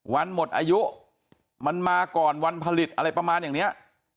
วันหมดอายุมันมาก่อนวันผลิตอะไรประมาณอย่างนี้